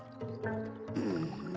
うん。